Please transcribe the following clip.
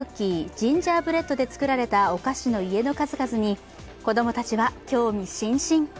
しょうがを使ったクッキージンジャーブレッドで作られたお菓子の家の数々に子供たちは興味津々。